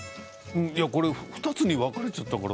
２つに分かれちゃった。